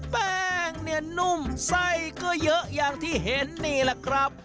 แป้งเนี่ยนุ่มไส้ก็เยอะอย่างที่เห็นนี่แหละครับ